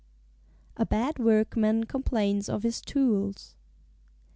"_A Bad Workman Complains of his Tools.